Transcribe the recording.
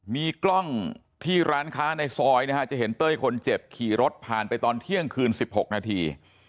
มีกล้องที่ร้านค้าในซอยนะฮะจะเห็นเต้ยคนเจ็บขี่รถผ่านไปตอนเที่ยงคืน๑๖นาที